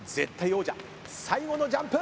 王者最後のジャンプ。